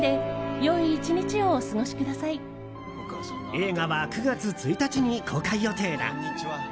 映画は９月１日に公開予定だ。